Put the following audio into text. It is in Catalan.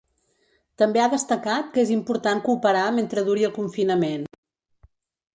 També ha destacat que és important cooperar mentre duri el confinament.